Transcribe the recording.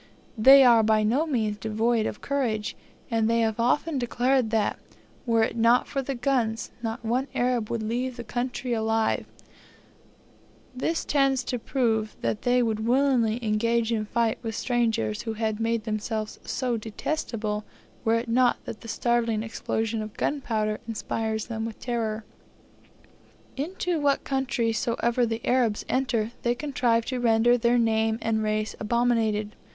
They are by no means devoid of courage, and they have often declared that, were it not for the guns, not one Arab would leave the country alive; this tends to prove that they would willingly engage in fight with the strangers who had made themselves so detestable, were it not that the startling explosion of gunpowder inspires them with terror. Into what country soever the Arabs enter, they contrive to render their name and race abominated.